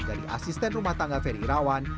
dari asisten rumah tangga ferry irawan